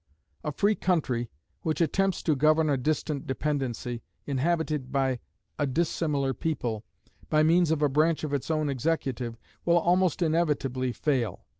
A free country which attempts to govern a distant dependency, inhabited by a dissimilar people, by means of a branch of its own executive, will almost inevitably fail.